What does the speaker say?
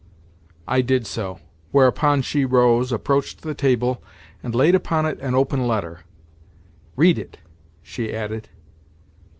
I did so; whereupon she rose, approached the table, and laid upon it an open letter. "Read it," she added.